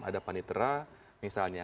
ada panitera misalnya